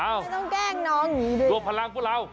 เอ้ารวมพลังปุ่นเราค่ะ